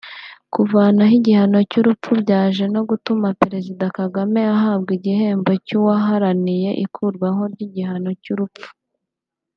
Kuvanaho igihano cy’urupfu byaje no gutuma Perezida Kagame ahabwa igihembo cy’uwaharaniye ikurwaho ry’igihano cy’urupfu